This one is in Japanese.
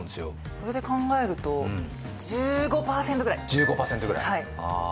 それで考えると１５％ぐらい１５％ぐらいあ